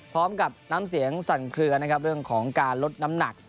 พร้อมกับน้ำเสียงสั่นเคลือนะครับเรื่องของการลดน้ำหนัก